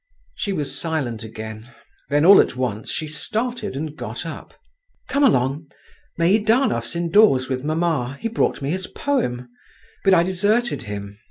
She was silent again, then all at once she started and got up. "Come along. Meidanov's indoors with mamma, he brought me his poem, but I deserted him.